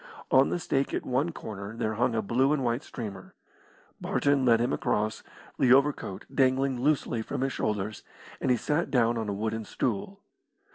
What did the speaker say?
On the stake at one corner there hung a blue and white streamer. Barton led him across, the overcoat dangling loosely from his shoulders, and he sat down on a wooden stool.